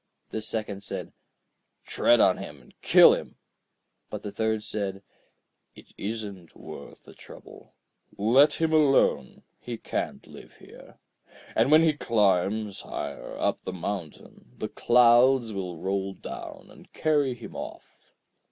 The second said: 'Tread on him and kill him.' But the third said: 'It isn't worth the trouble. Let him alone, he can't live here; and when he climbs higher up the mountain, the clouds will roll down and carry him off.'